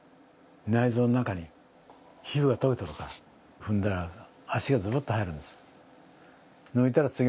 内蔵の中に、皮膚が溶けてるから踏んだら、足がずぼっと入るんですよ。